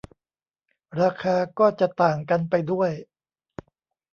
ราคาก็จะต่างกันไปด้วย